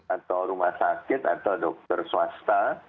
atau rumah sakit atau dokter swasta